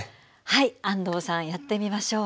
はい安藤さんやってみましょう。